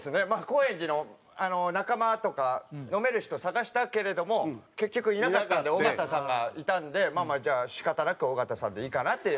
高円寺の仲間とか飲める人探したけれども結局いなかったんで尾形さんがいたんでまあまあじゃあ仕方なく尾形さんでいいかなって。